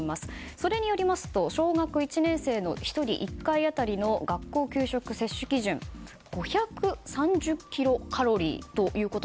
それによりますと小学１年生の１人１回当たりの学校給食摂取基準は５３０キロカロリーです。